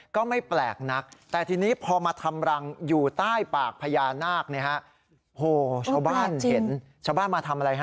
ชาวบ้านมาทำอะไรฮะอ่ายังไงคะ